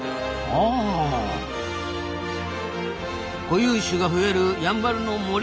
固有種が増えるやんばるの森。